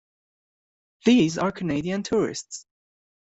These are Canadian tourists.